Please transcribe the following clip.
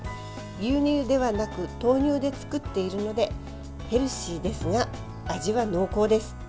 牛乳ではなく豆乳で作っているのでヘルシーですが、味は濃厚です。